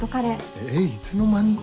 えいつの間に？